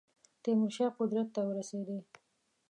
تیمور شاه قدرت ته ورسېدی.